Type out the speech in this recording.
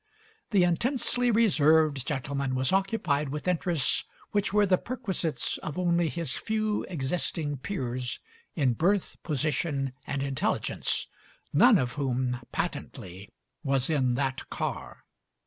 The intensely reserved gentleman was occupied with interests which were the per quisites of only his few existing peers in birth, position, and intelligence, none of whom, patently, was in that car.